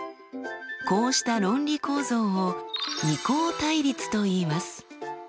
こうした論理構造を二項対立といいます。